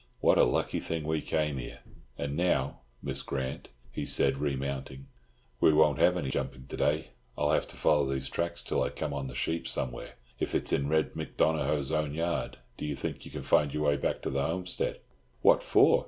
What a lucky thing we came here! And now, Miss Grant," he said, remounting, "we won't have any jumping to day. I'll have to follow these tracks till I come on the sheep somewhere, if it's in Red Mick Donohoe's own yard. Do you think you can find your way back to the homestead?" "What for?"